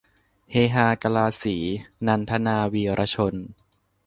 เฮฮากะลาสี - นันทนา วีระชน